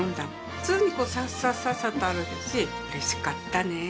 普通にサッサッと歩けるしうれしかったね。